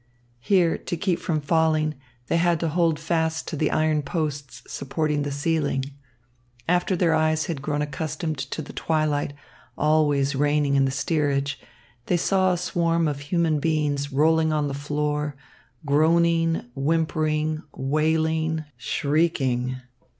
Here, to keep from falling, they had to hold fast to the iron posts supporting the ceiling. After their eyes had grown accustomed to the twilight always reigning in the steerage, they saw a swarm of human beings rolling on the floor, groaning, whimpering, wailing, shrieking.